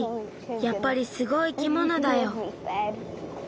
やっぱりすごい生き物だよ。